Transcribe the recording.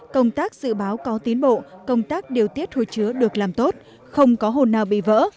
công tác dự báo có tiến bộ công tác điều tiết hồ chứa được làm tốt không có hồn nào bị vỡ